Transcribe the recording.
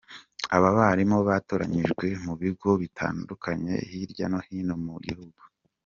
Aba barimu batoranyijwe mu bigo bitandukanye hirya no hino mu gihugu.